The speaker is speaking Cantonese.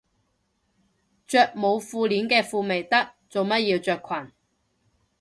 着冇褲鏈嘅褲咪得，做乜要着裙